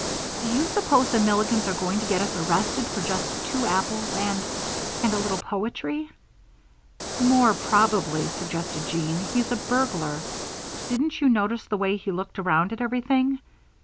Do you suppose the Milligans are going to get us arrested for just two apples and and a little poetry?" "More probably," suggested Jean, "he's a burglar. Didn't you notice the way he looked around at everything?